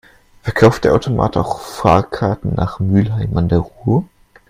Verkauft der Automat auch Fahrkarten nach Mülheim an der Ruhr?